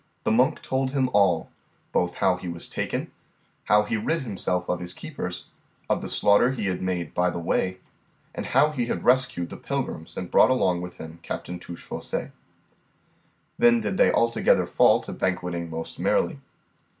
The monk told him all, both how he was taken, how he rid himself of his keepers, of the slaughter he had made by the way, and how he had rescued the pilgrims and brought along with him Captain Touchfaucet. Then did they altogether fall to banqueting most merrily.